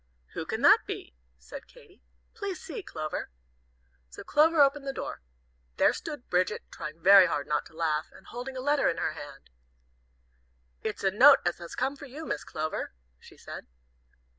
"Who can that be?" said Katy; "please see, Clover!" So Clover opened the door. There stood Bridget, trying very hard not to laugh, and holding a letter in her hand. "It's a note as has come for you, Miss Clover," she said.